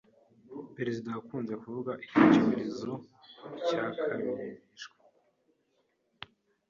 perezida wakunze kuvuga ko iki cyorezo cyakabirijwe